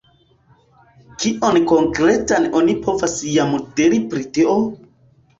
Kion konkretan oni povas jam diri pri tio?